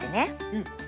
うん。